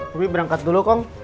tati berangkat dulu kong